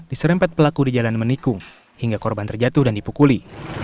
diserempet pelaku di jalan menikung hingga korban terjatuh dan dipukuli